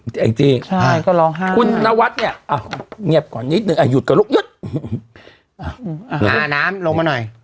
ใช่จริงคุณนวัดเนี่ยเงียบก่อนนิดนึงหาน้ำลงมาหน่อย